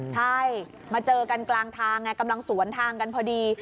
ใช่มาเจอกันกลางทางไงกำลังสวนทางกันพอดี